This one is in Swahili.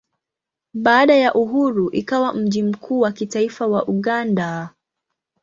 Baada ya uhuru ikawa mji mkuu wa kitaifa wa Uganda.